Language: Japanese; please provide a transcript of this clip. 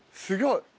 すごい！